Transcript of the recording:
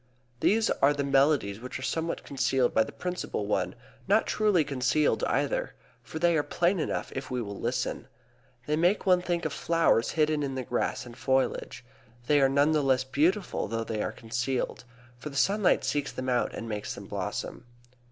These are the melodies which are somewhat concealed by the principal one; not truly concealed either, for they are plain enough if we will listen. They make one think of flowers hidden in the grass and foliage. They are none the less beautiful though they are concealed; for the sunlight seeks them out and makes them blossom.